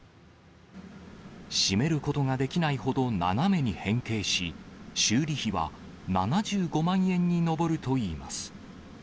閉めることができないほど斜めに変形し、修理費は７５万円に上るといいます。